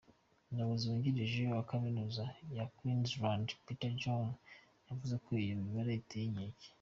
Umuyobozi wungirije wa kaminuza ya Queensland, Peter Hoj, yavuze ko iyo mibare iteye inkeke.